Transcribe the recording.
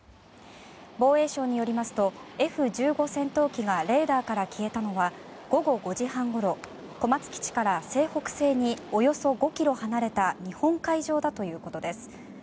防衛省によりますとＦ１５戦闘機がレーダーから消えたのは午後５時半ごろ小松基地から西北西におよそ５ｋｍ離れた日本海上だということです。